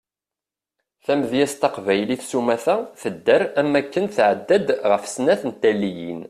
Tamedyazt taqbaylit sumata tedder am waken tɛedda-d ɣef snat n taliyin.